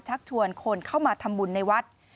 ชักชวนคนเข้ามาทำบุญในวัด